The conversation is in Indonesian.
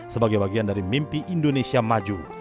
sebagai bagian dari mimpi indonesia maju